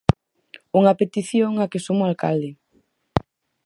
Unha petición á que suma o alcalde.